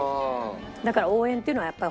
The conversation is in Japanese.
だから応援っていうのは。